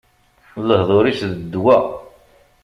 Lehdur-is, d ddwa!